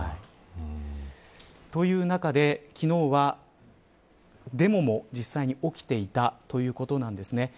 という中で、昨日はデモも実際に起きていたということなんですね。